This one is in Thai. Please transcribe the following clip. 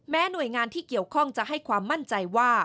หน่วยงานที่เกี่ยวข้องจะให้ความมั่นใจว่า